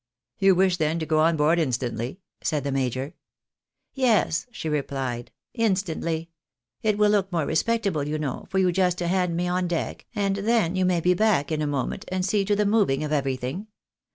You wish, then, to go on board instantly? " said the major. " Yes," she replied, " instantly. It will look more respectable, you know, for you just to hand me on deck, and then you may be back in a moment, and see to the moving of everything.